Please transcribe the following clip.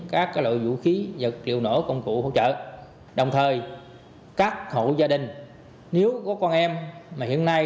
các loại vũ khí vật liệu nổ công cụ hỗ trợ đồng thời các hộ gia đình nếu có con em mà hiện nay